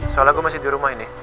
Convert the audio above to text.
soalnya gue masih di rumah ini